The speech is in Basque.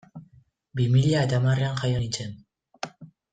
Bi mila eta hamarrean jaio nintzen.